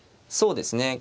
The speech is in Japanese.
そうですね。